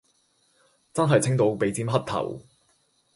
真係清到鼻尖黑頭